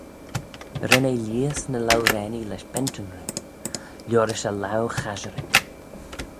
Ren eh lheihys ny louraanee lesh bentyn roo, liorish e laue chasherick.